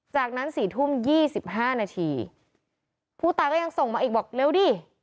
จากนั้นสี่ทุ่มยี่สิบห้านาทีผู้ตายก็ยังส่งมาอีกบอกเร็วดิ